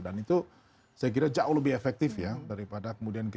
dan itu saya kira jauh lebih efektif ya daripada kemudian kita